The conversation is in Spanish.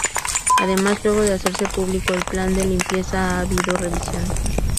Además luego de hacerse público el plan de limpieza ha habido revisiones.